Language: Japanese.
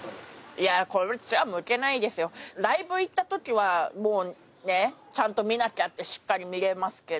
ライブ行ったときはちゃんと見なきゃってしっかり見られますけど。